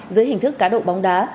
dưới hình thức cá độ bóng đá